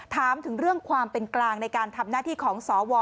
ถามถึงเรื่องความเป็นกลางในการทำหน้าที่ของสว